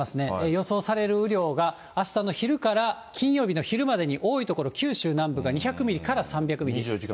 予想される雨量があしたの昼から金曜日の昼までに多い所、九州南部が２００ミリから３００ミリ。